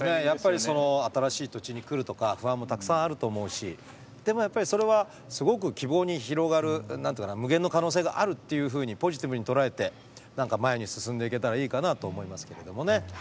やっぱり新しい土地に来るとか不安もたくさんあると思うしでも、それはすごく希望が広がる無限の可能性があるというふうにポジティブに捉えて前に進んでいけたらいいかなと思いますけどね。